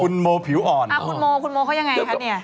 คุณโมอย่างไรคะ